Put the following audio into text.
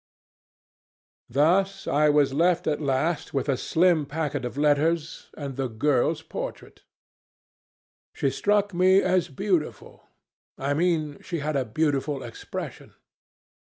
"Thus I was left at last with a slim packet of letters and the girl's portrait. She struck me as beautiful I mean she had a beautiful expression.